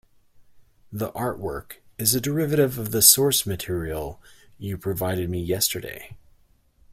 The artwork is a derivative of the source material you provided me yesterday.